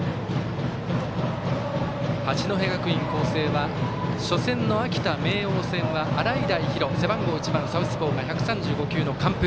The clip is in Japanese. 八戸学院光星は初戦の秋田、明桜戦は洗平比呂背番号１番のサウスポーが１３５球の完封。